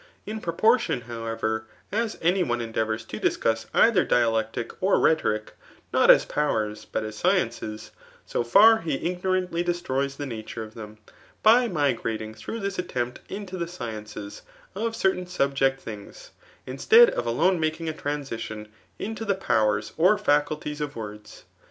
In proportion, howei«r^ as any one endeavours to discuss either dialectic' or rh* toric^ not as powers, but as isdences, so far he igno rantly destroys the nature of Vbem, by itiigratiHg throiii^ diis attempt into the sciences of certain subject ^MgSj mstead of alone making a transition into the powers <ie faculties of words.